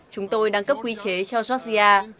chúng tôi đang cấp quy chế cho georgia